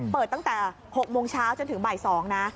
เปิดตั้งแต่๖โมงเช้าจนถึงบ่าย๒นะ